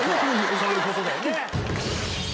そういうことだよね。